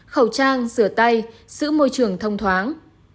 khẩu trang rửa tay giữ môi trường thông thoáng